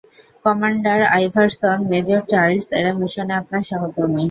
Commander Iverson, major Childs, এরা মিশনে আপনার সহকর্মী।